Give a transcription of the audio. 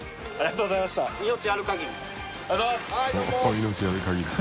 「命ある限り」